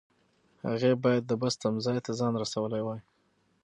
هغې باید د بس تمځای ته ځان رسولی وای.